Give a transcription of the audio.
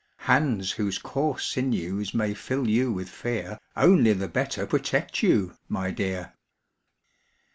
Hands whose coarse sinews may fill you with fear Only the better protect you, my dear!